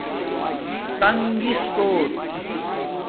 تنگس کݸٹ